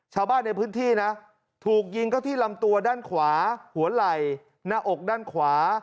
ชาวบ้านในพื้นที่นะถูกยิงเข้าที่ลำตัวด้านขวาหัวไหล่หน้าอกด้านขวา